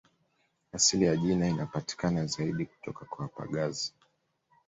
Asili ya jina inapatikana zaidi kutoka kwa wapagazi